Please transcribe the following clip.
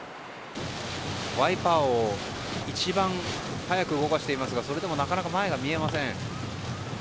ワイパーを一番早く動かしていますがそれでもなかなか前が見えません。